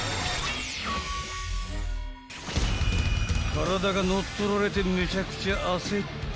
［体が乗っ取られてめちゃくちゃ焦った！］